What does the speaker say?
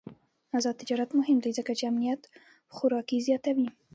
آزاد تجارت مهم دی ځکه چې امنیت خوراکي زیاتوي.